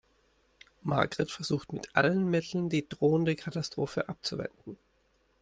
Margret versucht mit allen Mitteln, die drohende Katastrophe abzuwenden.